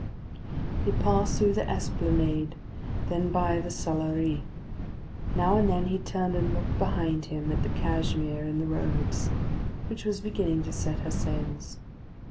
He passed through the Esplanade, then by the Salerie. Now and then he turned and looked behind him at the Cashmere in the roads, which was beginning to set her sails.